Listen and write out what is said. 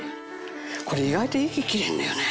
これ意外と息切れるのよね。